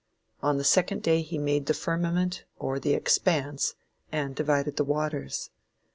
On the second day he made the firmament or the "expanse" and divided the waters.